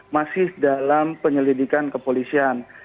masih dalam penyelidikan kepolisian